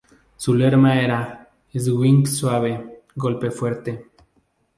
Su lema era "swing suave, golpe fuerte".